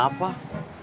ya sudah pak